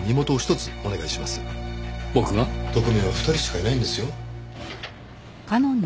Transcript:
特命は２人しかいないんですよ。